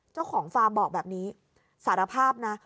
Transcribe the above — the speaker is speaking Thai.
เจ้าของฟาร์มบอกแบบนี้สารภาพนะ